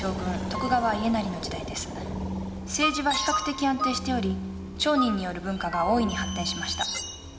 政治は比較的安定しており町人による文化が大いに発展しました。